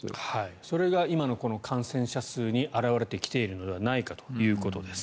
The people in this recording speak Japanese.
それが今の感染者数に表れてきているのではないかということです。